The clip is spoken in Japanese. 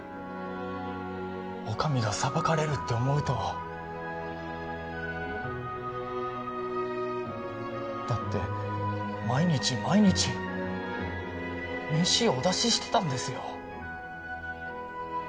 お上が裁かれるって思うとだって毎日毎日飯お出ししてたんですよ